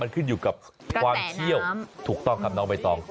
ขึ้นอยู่กับความเชี่ยวถูกต้องครับน้องใบตอง